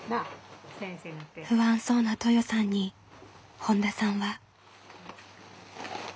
不安そうなトヨさんに本田さんは。